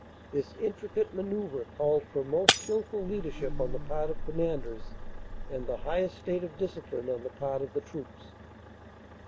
This intricate manoeuvre called for most skilful leadership on the part of commanders, and the highest state of discipline on the part of the troops.